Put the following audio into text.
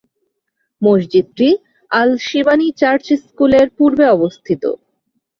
মসজিদটি আল-শিবানী চার্চ-স্কুলের পূর্বে অবস্থিত।